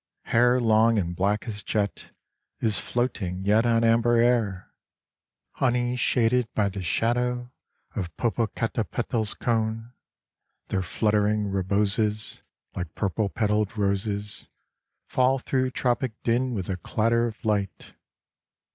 Hair long and black as jet, is floating yet on amber air, Honey shaded by the shadow of Popo catapetl's cone; Their fluttering reboses Like purple petal' d roses Fall through tropic din with a clatter of light.